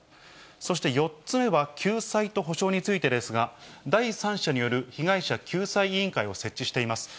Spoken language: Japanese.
そして４つ目は、救済と補償についてですが、第三者による被害者救済委員会を設置しています。